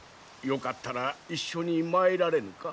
よかったら一緒に参られぬか？